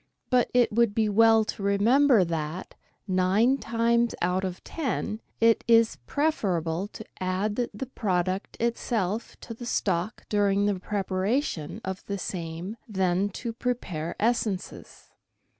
But it would be well to remember that, nine times out of ten, it is preferable to add the product itself to the stock during the preparation of the same than to prepare essences.